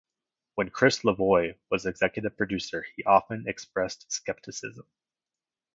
When Chris Lavoie was Executive Producer, he often expressed skepticism.